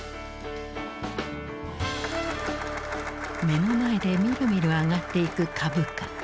目の前でみるみる上がっていく株価。